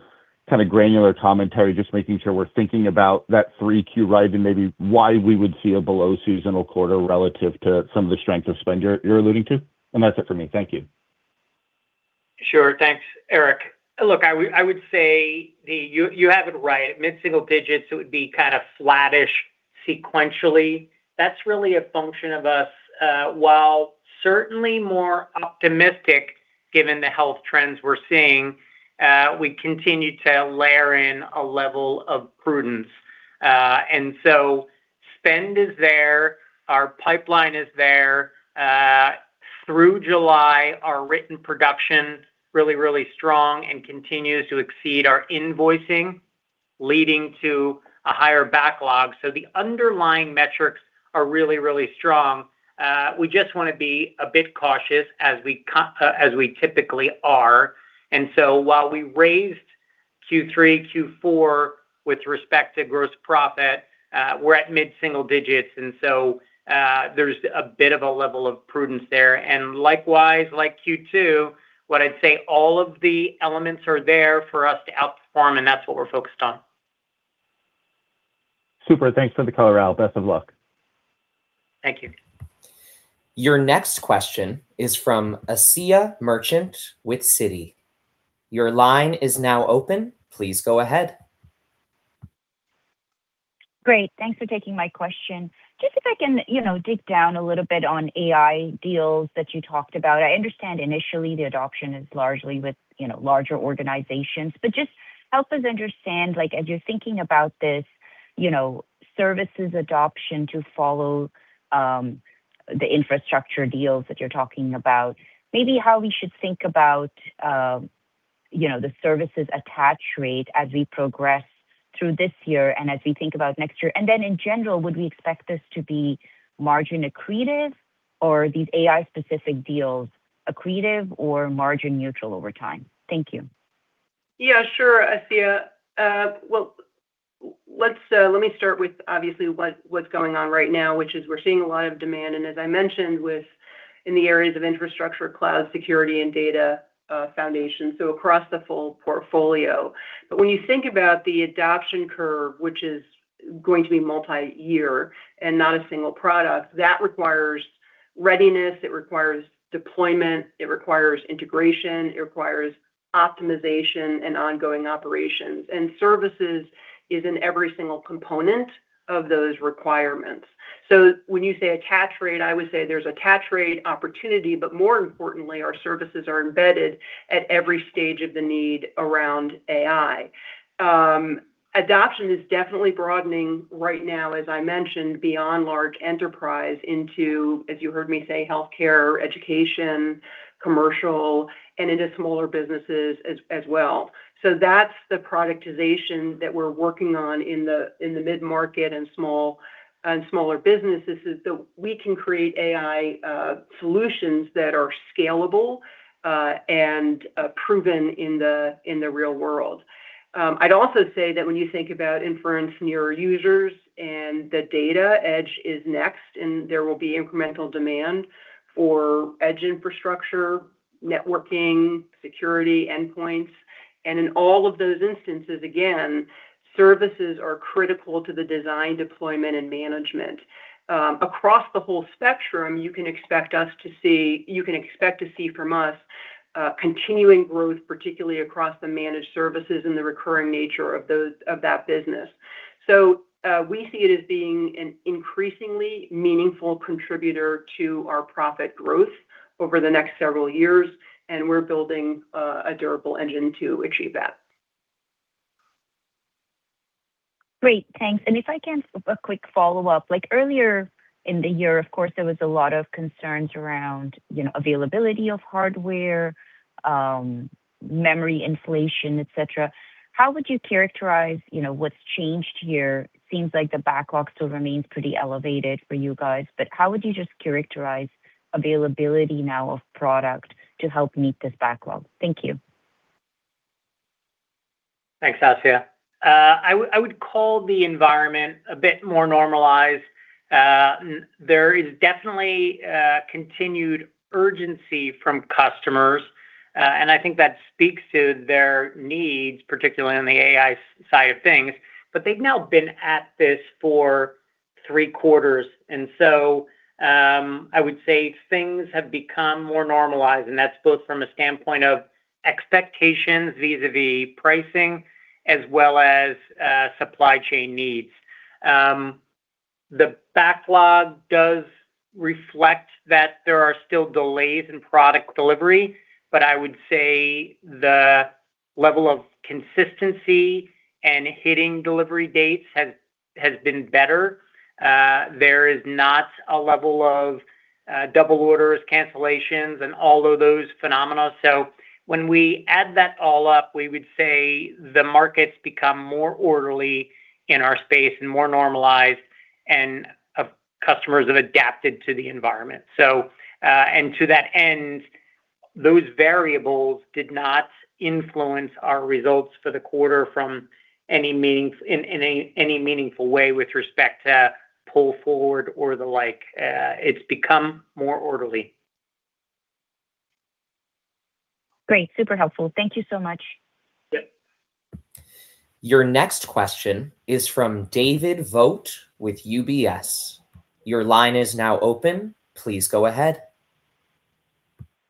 kind of granular commentary, just making sure we're thinking about that 3Q rise and maybe why we would see a below seasonal quarter relative to some of the strength of spend you're alluding to? That's it for me. Thank you. Sure. Thanks, Erik. Look, I would say you have it right. At mid-single digits, it would be kind of flattish sequentially. That's really a function of us. While certainly more optimistic given the health trends we're seeing, we continue to layer in a level of prudence. Spend is there, our pipeline is there. Through July, our written production really, really strong and continues to exceed our invoicing, leading to a higher backlog. The underlying metrics are really, really strong. We just want to be a bit cautious, as we typically are. While we raised Q3, Q4 with respect to gross profit, we're at mid-single digits, there's a bit of a level of prudence there. Likewise, like Q2, what I'd say all of the elements are there for us to outperform, and that's what we're focused on. Super. Thanks for the color, Al. Best of luck. Thank you. Your next question is from Asiya Merchant with Citi. Your line is now open. Please go ahead. Great. Thanks for taking my question. If I can dig down a little bit on AI deals that you talked about. I understand initially the adoption is largely with larger organizations, but help us understand, as you're thinking about this services adoption to follow the infrastructure deals that you're talking about, maybe how we should think about the services attach rate as we progress through this year and as we think about next year. In general, would we expect this to be margin accretive or these AI specific deals accretive or margin neutral over time? Thank you. Sure, Asiya. Let me start with obviously what's going on right now, which is we're seeing a lot of demand, as I mentioned, in the areas of infrastructure, cloud, security, and data foundation, across the full portfolio. When you think about the adoption curve, which is going to be multi-year and not a single product, that requires readiness, it requires deployment, it requires integration, it requires optimization and ongoing operations. Services is in every single component of those requirements. When you say attach rate, I would say there's attach rate opportunity, but more importantly, our services are embedded at every stage of the need around AI. Adoption is definitely broadening right now, as I mentioned, beyond large enterprise into, as you heard me say, healthcare, education commercial, and into smaller businesses as well. That's the productization that we're working on in the mid-market and smaller businesses, is so we can create AI solutions that are scalable and proven in the real world. I'd also say that when you think about inference near users and the data, edge is next, and there will be incremental demand for edge infrastructure, networking, security endpoints. In all of those instances, again, services are critical to the design, deployment, and management. Across the whole spectrum, you can expect to see from us continuing growth, particularly across the managed services and the recurring nature of that business. We see it as being an increasingly meaningful contributor to our profit growth over the next several years, and we're building a durable engine to achieve that. Great, thanks. If I can, a quick follow-up. Earlier in the year, of course, there was a lot of concerns around availability of hardware, memory inflation, et cetera. How would you characterize what's changed here? Seems like the backlog still remains pretty elevated for you guys, but how would you characterize availability now of product to help meet this backlog? Thank you. Thanks, Asiya. I would call the environment a bit more normalized. There is definitely continued urgency from customers, and I think that speaks to their needs, particularly on the AI side of things. They've now been at this for three quarters. I would say things have become more normalized, and that's both from a standpoint of expectations vis-a-vis pricing, as well as supply chain needs. The backlog does reflect that there are still delays in product delivery, but I would say the level of consistency and hitting delivery dates has been better. There is not a level of double orders, cancellations, and all of those phenomena. When we add that all up, we would say the market's become more orderly in our space and more normalized, and customers have adapted to the environment. To that end, those variables did not influence our results for the quarter in any meaningful way with respect to pull forward or the like. It's become more orderly. Great, super helpful. Thank you so much. Yep. Your next question is from David Vogt with UBS. Your line is now open. Please go ahead.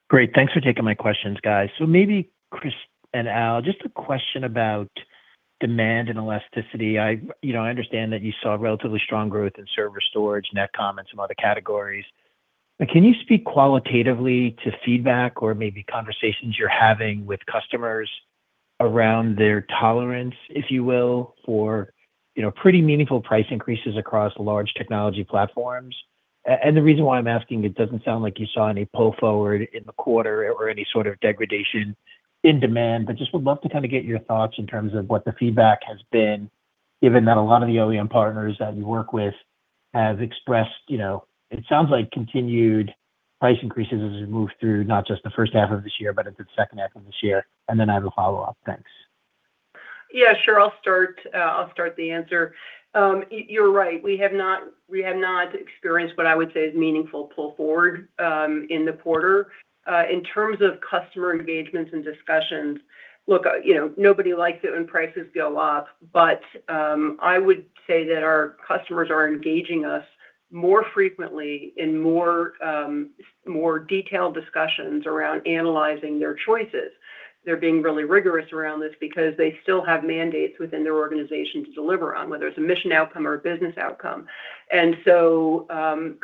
Great. Thanks for taking my questions, guys. Maybe Chris and Al, just a question about demand and elasticity. I understand that you saw relatively strong growth in server storage, NetCom, and some other categories. Can you speak qualitatively to feedback or maybe conversations you're having with customers around their tolerance, if you will, for pretty meaningful price increases across large technology platforms? The reason why I'm asking, it doesn't sound like you saw any pull forward in the quarter or any sort of degradation in demand, but just would love to get your thoughts in terms of what the feedback has been, given that a lot of the OEM partners that you work with have expressed, it sounds like continued price increases as we move through not just the first half of this year, but the second half of this year. Then I have a follow-up. Thanks. Yeah, sure. I'll start the answer. You're right, we have not experienced what I would say is meaningful pull forward in the quarter. In terms of customer engagements and discussions, look, nobody likes it when prices go up. I would say that our customers are engaging us more frequently in more detailed discussions around analyzing their choices. They're being really rigorous around this because they still have mandates within their organization to deliver on, whether it's a mission outcome or a business outcome.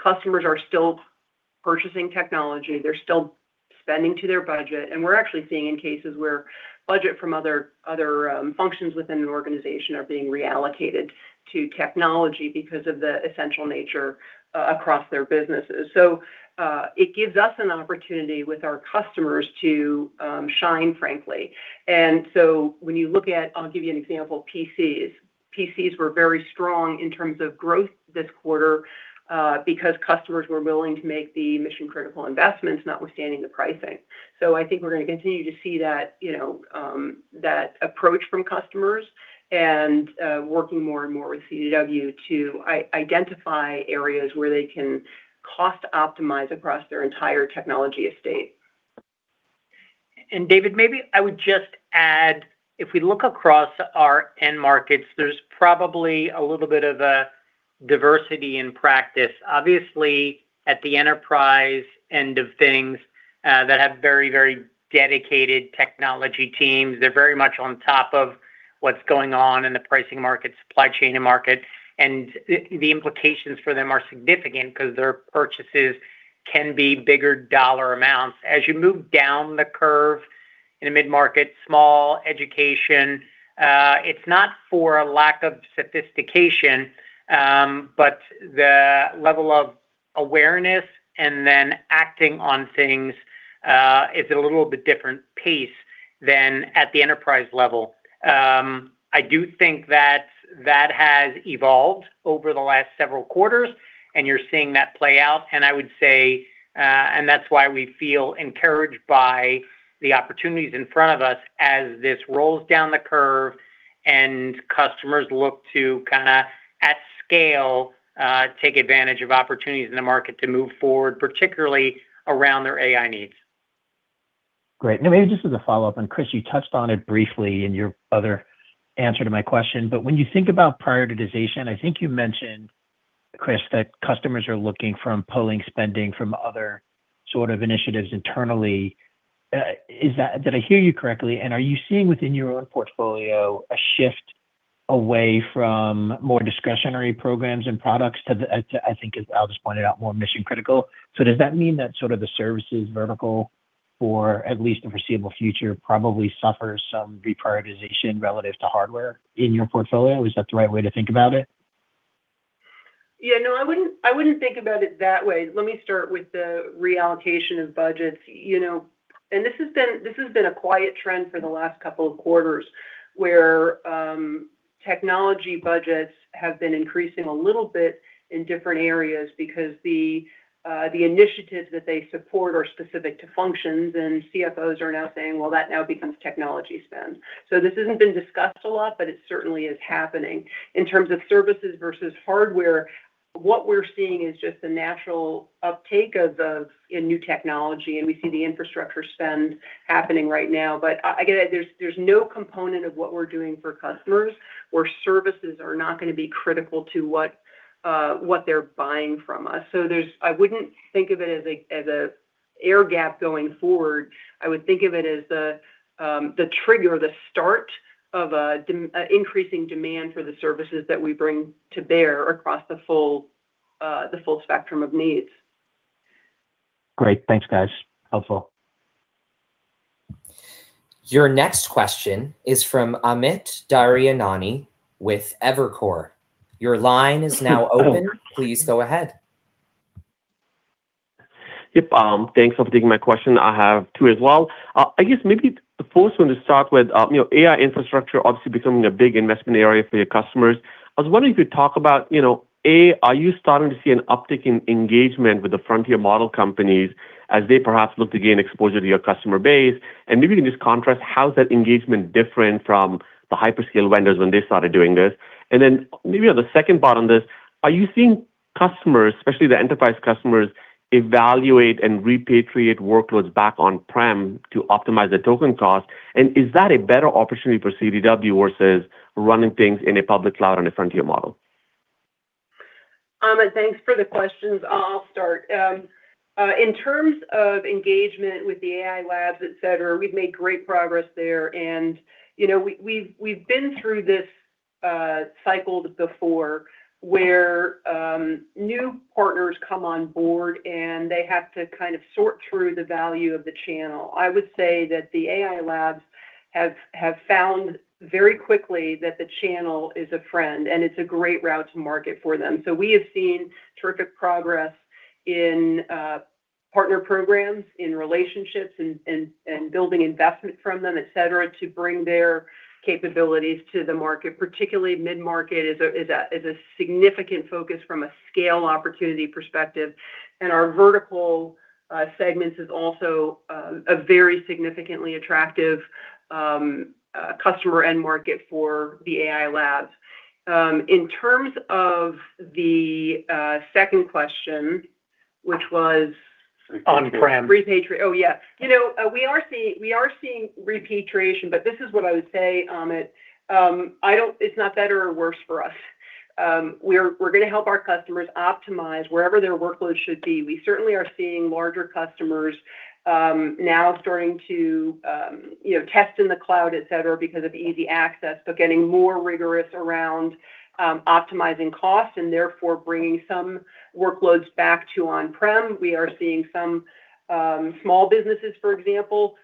Customers are still purchasing technology. They're still spending to their budget. We're actually seeing in cases where budget from other functions within an organization are being reallocated to technology because of the essential nature across their businesses. It gives us an opportunity with our customers to shine, frankly. When you look at, I'll give you an example, PCs. PCs were very strong in terms of growth this quarter because customers were willing to make the mission-critical investments, notwithstanding the pricing. I think we're going to continue to see that approach from customers, and working more and more with CDW to identify areas where they can cost optimize across their entire technology estate. David, maybe I would just add, if we look across our end markets, there's probably a little bit of a diversity in practice. Obviously, at the enterprise end of things that have very dedicated technology teams, they're very much on top of what's going on in the pricing market, supply chain, and market. The implications for them are significant because their purchases can be bigger dollar amounts. As you move down the curve In a mid-market, small education, it's not for a lack of sophistication, but the level of awareness and then acting on things is at a little bit different pace than at the enterprise level. I do think that that has evolved over the last several quarters, and you're seeing that play out. I would say, that's why we feel encouraged by the opportunities in front of us as this rolls down the curve and customers look to, at scale, take advantage of opportunities in the market to move forward, particularly around their AI needs. Great. Maybe just as a follow-up, Chris, you touched on it briefly in your other answer to my question, when you think about prioritization, I think you mentioned, Chris, that customers are looking from pulling spending from other sort of initiatives internally. Did I hear you correctly, and are you seeing within your own portfolio a shift away from more discretionary programs and products to, I think as Al just pointed out, more mission-critical? Does that mean that sort of the services vertical for at least the foreseeable future probably suffers some reprioritization relative to hardware in your portfolio? Is that the right way to think about it? I wouldn't think about it that way. Let me start with the reallocation of budgets. This has been a quiet trend for the last couple of quarters, where technology budgets have been increasing a little bit in different areas because the initiatives that they support are specific to functions, and Chief Financial Officers are now saying, "Well, that now becomes technology spend." This hasn't been discussed a lot, it certainly is happening. In terms of services versus hardware, what we're seeing is just the natural uptake of the new technology, and we see the infrastructure spend happening right now. Again, there's no component of what we're doing for customers where services are not going to be critical to what they're buying from us. I wouldn't think of it as an air gap going forward. I would think of it as the trigger, the start of increasing demand for the services that we bring to bear across the full spectrum of needs. Great. Thanks, guys. Helpful. Your next question is from Amit Daryanani with Evercore. Your line is now open. Please go ahead. Yep. Thanks for taking my question. I have two as well. I guess maybe the first one to start with, AI infrastructure obviously becoming a big investment area for your customers. I was wondering if you could talk about, AI, are you starting to see an uptick in engagement with the frontier model companies as they perhaps look to gain exposure to your customer base? Maybe you can just contrast how that engagement different from the hyperscale vendors when they started doing this. Maybe on the second part on this, are you seeing customers, especially the enterprise customers, evaluate and repatriate workloads back on-prem to optimize the token cost? Is that a better opportunity for CDW versus running things in a public cloud on a frontier model? Amit, thanks for the questions. I'll start. In terms of engagement with the AI labs, et cetera, we've made great progress there. We've been through this cycle before where new partners come on board, and they have to sort through the value of the channel. I would say that the AI labs have found very quickly that the channel is a friend, and it's a great route to market for them. We have seen terrific progress in partner programs, in relationships, and building investment from them, et cetera, to bring their capabilities to the market. Particularly mid-market is a significant focus from a scale opportunity perspective. Our vertical segments is also a very significantly attractive customer end market for the AI labs. In terms of the second question, which was- On-prem Repatriate. Oh, yeah. We are seeing repatriation, but this is what I would say, Amit. It's not better or worse for us. We're going to help our customers optimize wherever their workloads should be. We certainly are seeing larger customers now starting to test in the cloud, et cetera, because of easy access, but getting more rigorous around optimizing costs, and therefore bringing some workloads back to on-prem. We are seeing some small businesses, for example,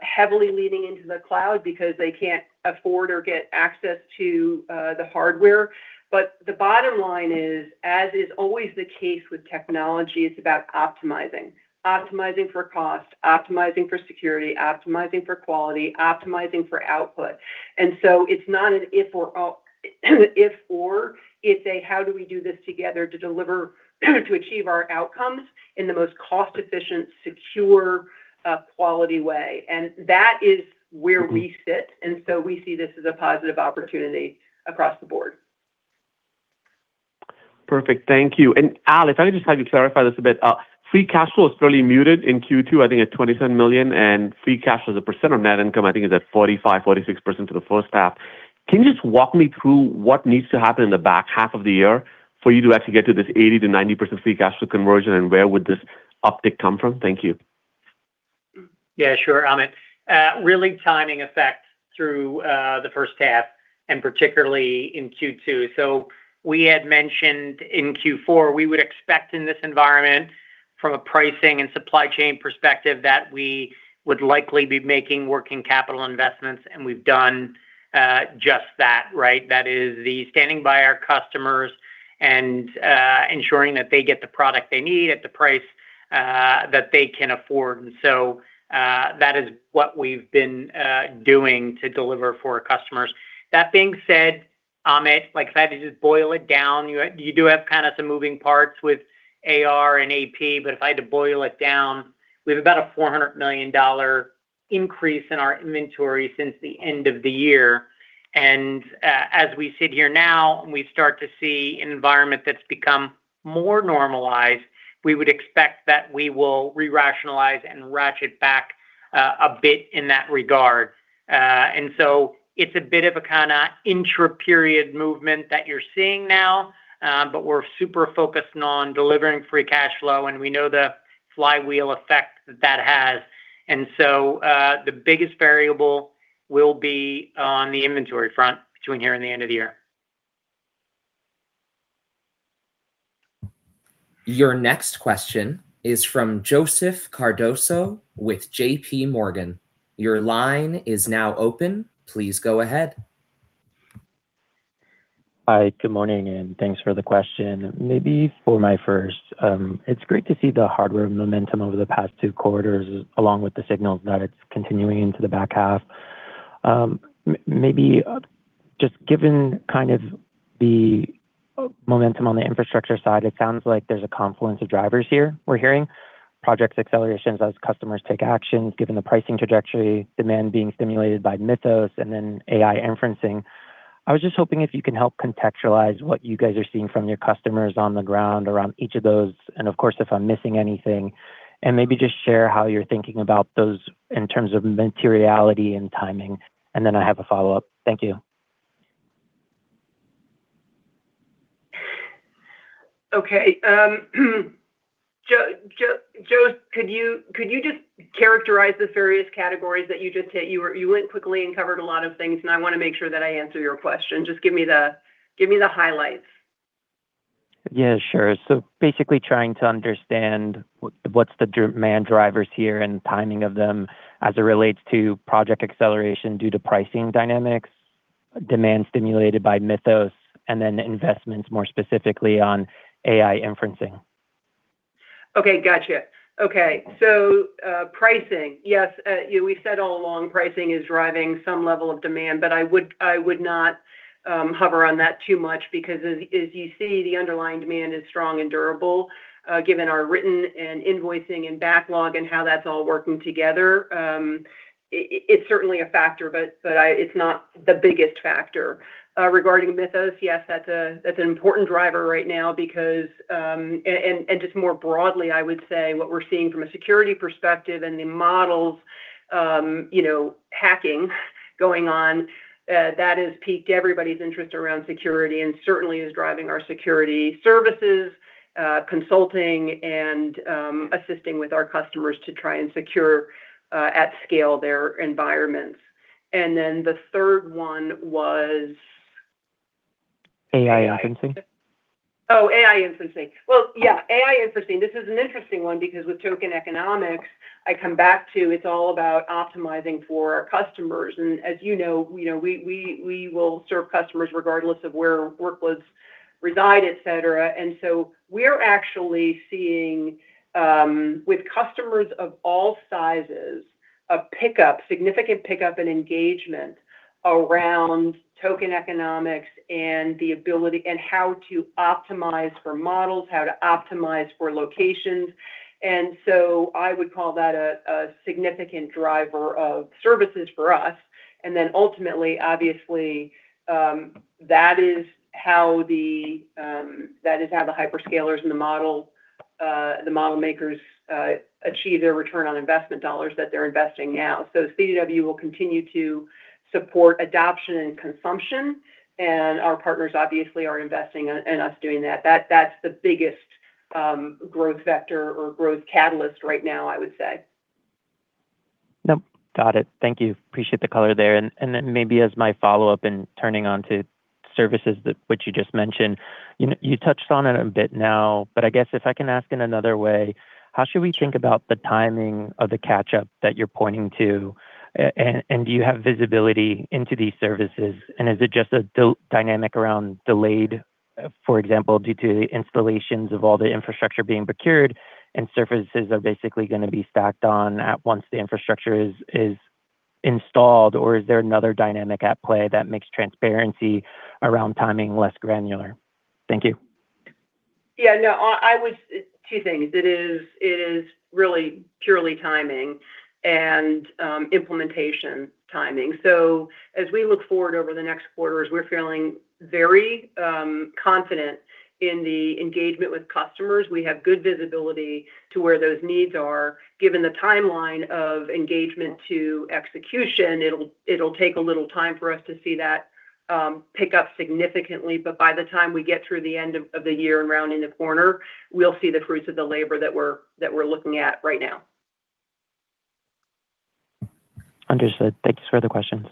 heavily leaning into the cloud because they can't afford or get access to the hardware. The bottom line is, as is always the case with technology, it's about optimizing. Optimizing for cost, optimizing for security, optimizing for quality, optimizing for output. So it's not an if/or, it's a how do we do this together to achieve our outcomes in the most cost-efficient, secure, quality way. That is where we sit, so we see this as a positive opportunity across the board. Perfect, thank you. Al, if I could just have you clarify this a bit. Free cash flow is fairly muted in Q2, I think at $27 million, and free cash as a percent of net income, I think, is at 45%, 46% for the first half. Can you just walk me through what needs to happen in the back half of the year for you to actually get to this 80%-90% free cash flow conversion, and where would this uptick come from? Thank you. Yeah, sure, Amit. Really timing effect through the first half. Particularly in Q2. We had mentioned in Q4, we would expect in this environment from a pricing and supply chain perspective, that we would likely be making working capital investments, and we've done just that, right? That is the standing by our customers and ensuring that they get the product they need at the price that they can afford. That is what we've been doing to deliver for our customers. That being said, Amit, if I had to just boil it down, you do have kind of some moving parts with AR and AP, but if I had to boil it down, we have about a $400 million increase in our inventory since the end of the year. As we sit here now and we start to see an environment that's become more normalized, we would expect that we will re-rationalize and ratchet back a bit in that regard. It's a bit of an intra-period movement that you're seeing now. We're super focused on delivering free cash flow, and we know the flywheel effect that that has. The biggest variable will be on the inventory front between here and the end of the year. Your next question is from Joseph Cardoso with J.P. Morgan. Your line is now open. Please go ahead. Hi. Good morning, and thanks for the question. Maybe for my first, it's great to see the hardware momentum over the past two quarters, along with the signals that it's continuing into the back half. Maybe just given kind of the momentum on the infrastructure side, it sounds like there's a confluence of drivers here we're hearing. Projects accelerations as customers take actions, given the pricing trajectory, demand being stimulated by Mythos, and then AI inferencing. I was just hoping if you can help contextualize what you guys are seeing from your customers on the ground around each of those, and of course, if I'm missing anything. Maybe just share how you're thinking about those in terms of materiality and timing. I have a follow-up. Thank you. Okay. Joe, could you just characterize the various categories that you just hit? You went quickly and covered a lot of things, and I want to make sure that I answer your question. Just give me the highlights. Yeah, sure. Basically trying to understand what's the demand drivers here and timing of them as it relates to project acceleration due to pricing dynamics, demand stimulated by Mythos, and investments more specifically on AI inferencing. Okay. Gotcha. Okay. Pricing. Yes. We've said all along pricing is driving some level of demand, but I would not hover on that too much because as you see, the underlying demand is strong and durable, given our written and invoicing and backlog and how that's all working together. It's certainly a factor, but it's not the biggest factor. Regarding Mythos, yes, that's an important driver right now because, and just more broadly, I would say what we're seeing from a security perspective and the models hacking going on, that has piqued everybody's interest around security and certainly is driving our security services, consulting, and assisting with our customers to try and secure, at scale, their environments. The third one was? AI inferencing. Oh, AI inferencing. Well, yeah, AI inferencing. This is an interesting one because with token economics, I come back to it's all about optimizing for our customers. As you know, we will serve customers regardless of where workloads reside, et cetera. We're actually seeing, with customers of all sizes, a significant pickup in engagement around token economics and how to optimize for models, how to optimize for locations. I would call that a significant driver of services for us. Ultimately, obviously, that is how the hyperscalers and the model makers achieve their return on investment dollars that they're investing now. CDW will continue to support adoption and consumption, and our partners obviously are investing in us doing that. That's the biggest growth vector or growth catalyst right now, I would say. Nope. Got it. Thank you. Appreciate the color there. Maybe as my follow-up and turning on to services which you just mentioned. You touched on it a bit now, but I guess if I can ask in another way, how should we think about the timing of the catch-up that you're pointing to? Do you have visibility into these services? Is it just a dynamic around delayed, for example, due to the installations of all the infrastructure being procured, and services are basically going to be stacked on at once the infrastructure is installed? Or is there another dynamic at play that makes transparency around timing less granular? Thank you. Yeah, no. Two things. It is really purely timing and implementation timing. As we look forward over the next quarters, we're feeling very confident in the engagement with customers. We have good visibility to where those needs are. Given the timeline of engagement to execution, it'll take a little time for us to see that pick up significantly. By the time we get through the end of the year and round in the corner, we'll see the fruits of the labor that we're looking at right now. Understood. Thank you for the questions.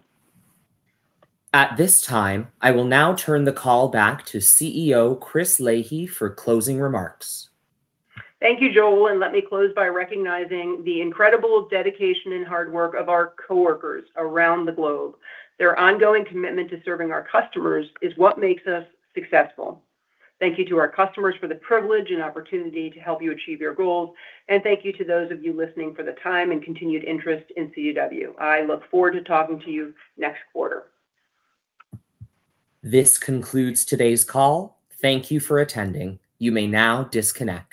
At this time, I will now turn the call back to Chief Executive Officer Chris Leahy for closing remarks. Thank you, Joel. Let me close by recognizing the incredible dedication and hard work of our coworkers around the globe. Their ongoing commitment to serving our customers is what makes us successful. Thank you to our customers for the privilege and opportunity to help you achieve your goals, and thank you to those of you listening for the time and continued interest in CDW. I look forward to talking to you next quarter. This concludes today's call. Thank you for attending. You may now disconnect.